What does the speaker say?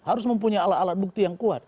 harus mempunyai alat alat bukti yang kuat